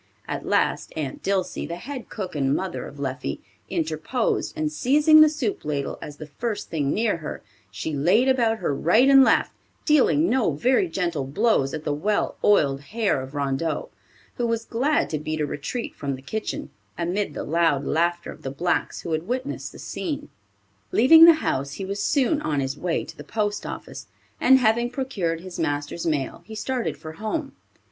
At last Aunt Dilsey, the head cook and mother of Leffie, interposed, and seizing the soup ladle as the first thing near her, she laid about her right and left, dealing no very gentle blows at the well oiled hair of Rondeau, who was glad to beat a retreat from the kitchen, amid the loud laughter of the blacks who had witnessed the scene. Leaving the house he was soon on his way to the post office, and having procured his master's mail he started for home.